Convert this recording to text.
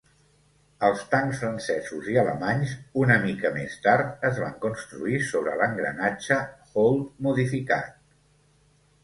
Els tancs francesos i alemanys, una mica més tard, es van construir sobre l'engranatge Holt modificat.